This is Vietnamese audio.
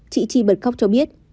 chị chi bật khóc cho biết